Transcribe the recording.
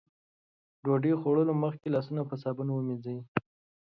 د ډوډۍ خوړلو مخکې لاسونه په صابون ومينځئ.